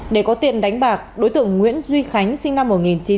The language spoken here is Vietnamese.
để có tiền đánh bạc đối tượng nguyễn duy khánh sinh năm một nghìn chín trăm tám mươi